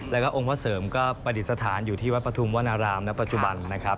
แล้วก็องค์พระเสริมก็ปฏิสถานอยู่ที่วัดปฐุมวนารามณปัจจุบันนะครับ